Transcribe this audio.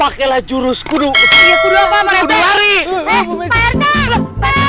aku akan menganggap